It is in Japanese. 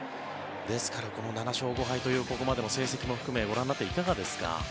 ですから、７勝５敗というここまでの成績も含めご覧になっていかがですか。